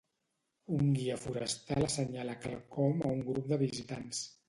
Un guia forestal assenyala quelcom a un grup de visitants.